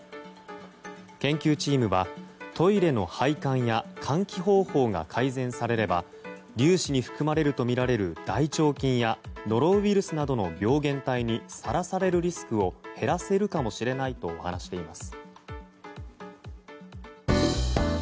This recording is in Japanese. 研究チームはトイレの配管や換気方法が改善されれば粒子に含まれるとみられる大腸菌やノロウイルスなどの病原体にさらされるリスクを減らせるかもしれないと話しています。